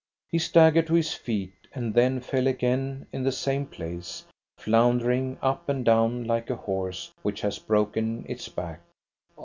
He staggered to his feet, and then fell again in the same place, floundering up and down like a horse which has broken its back.